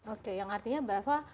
oke yang artinya bahwa